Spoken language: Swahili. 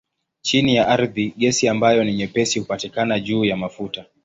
Chini ya ardhi gesi ambayo ni nyepesi hupatikana juu ya mafuta.